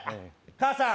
母さん